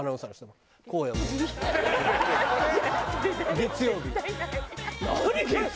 「月曜日」。